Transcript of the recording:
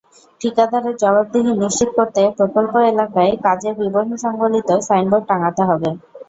ঠিকাদারের জবাবদিহি নিশ্চিত করতে প্রকল্প এলাকায় কাজের বিবরণ-সংবলিত সাইনবোর্ড টাঙাতে হবে।